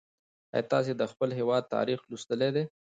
ایا تاسې د خپل هېواد تاریخ لوستلی دی؟